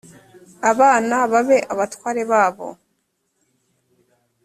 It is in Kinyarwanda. abana babe abatware babo